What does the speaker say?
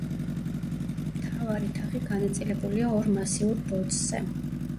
მთავარი თაღი განაწილებულია ორ მასიურ ბოძზე.